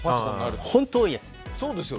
本当多いです。